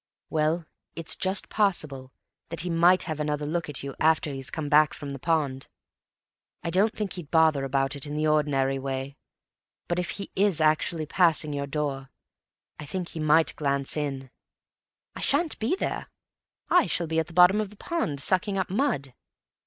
"Well, it's just possible that he might have another look at you after he's come back from the pond. I don't think he'd bother about it in the ordinary way, but if he is actually passing your door, I think he might glance in." "I shan't be there. I shall be at the bottom of the pond, sucking up mud."